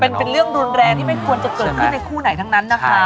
เป็นเรื่องรุนแรงที่ไม่ควรจะเกิดขึ้นในคู่ไหนทั้งนั้นนะคะ